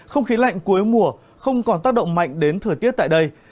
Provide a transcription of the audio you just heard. không khí lạnh cuối mùa không còn tác động mạnh đến thời tiết tại đây